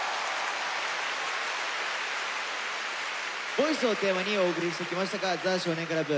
「ＶＯＩＣＥ」をテーマにお送りしてきましたが「ザ少年倶楽部」